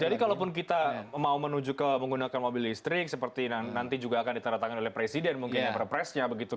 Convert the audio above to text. jadi kalau pun kita mau menuju ke menggunakan mobil listrik seperti nanti juga akan diteratakan oleh presiden mungkin perpresnya begitu